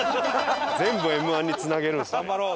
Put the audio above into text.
全部Ｍ−１につなげるんですね。